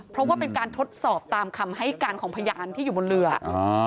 เพราะว่าเป็นการทดสอบตามคำให้การของพยานที่อยู่บนเรืออ่า